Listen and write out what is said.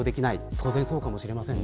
当然そうかもしれません。